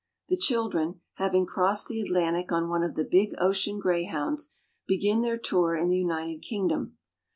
The children, having crossed the Atlantic on one of the big ocean greyhounds, begin their tour in the United Kingdom.